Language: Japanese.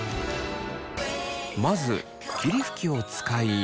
まず霧吹きを使い。